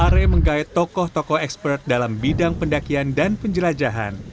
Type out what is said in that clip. r a menggait tokoh tokoh ekspert dalam bidang pendakian dan penjelajahan